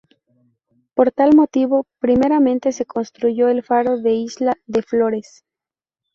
Por tal motivo, primeramente se construyó el Faro de Isla de Flores.